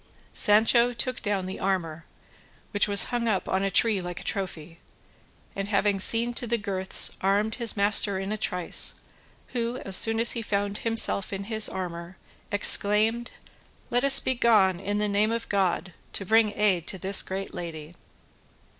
Sancho took down the armour, which was hung up on a tree like a trophy, and having seen to the girths armed his master in a trice, who as soon as he found himself in his armour exclaimed: "Let us be gone in the name of God to bring aid to this great lady."